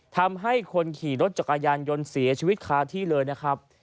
ทำให้คนขี่รถจักรยานยนต์เสียชีวิตคาที่เลยนะครับ